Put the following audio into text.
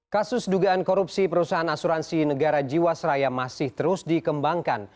kasus dugaan korupsi perusahaan asuransi negara jiwasraya masih terus dikembangkan